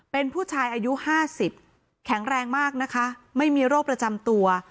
เป็นผู้ชายอายุ๕๐แข็งแรงมากนะคะไม่มีโรคประจำตัว